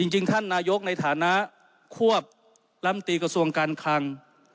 จริงท่านนายกในฐานะควบลำตีกระทรวงการคลัง